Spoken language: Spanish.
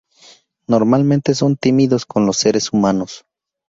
Normalmente son tímidos con los seres humanos.